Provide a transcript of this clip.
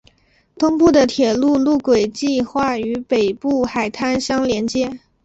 东部的铁路路轨计画与北部海滩相联接。